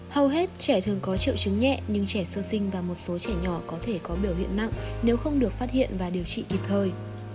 hầu hết trẻ thường có triệu chứng nhẹ nhưng trẻ sơ sinh và một số trẻ nhỏ có thể có biểu hiện nặng nếu không được phát hiện và điều trị kịp thời